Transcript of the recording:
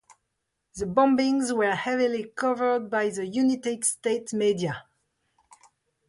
The bombings were heavily covered by the United States media.